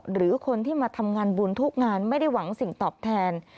หรือคนที่มาทำงานบุญทุกงานไม่ได้หวังสิ่งตอบแทน